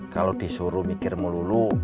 kalau disuruh mikir melulu